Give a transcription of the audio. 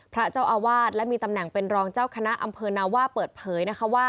พระเจ้าอาวาสและมีตำแหน่งเป็นรองเจ้าคณะอำเภอนาว่าเปิดเผยนะคะว่า